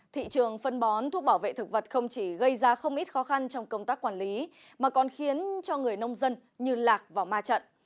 thị trường phân bón thuốc bảo vệ thực vật không chỉ gây ra không ít khó khăn trong công tác quản lý mà còn khiến cho người nông dân như lạc vào ma trận